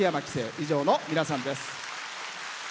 以上の皆さんです。